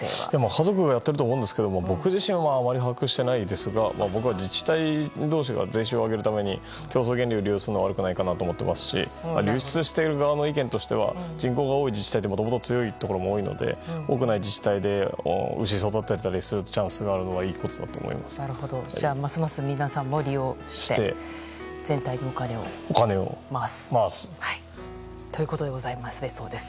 家族がやっていると思うんですけども僕自身はあまり把握してないですが僕は自治体同士が税収を上げるために競争原理を利用するのは悪くないと思いますし流出している側の意見としては人口が多い自治体はもともと強いところも多いので多くない自治体でやるのはますます皆さんも利用して全体のお金を回すということでございます。